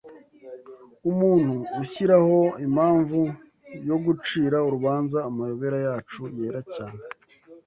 'Umuntu ushyiraho impamvu yo gucira urubanza Amayobera yacu yera cyane.'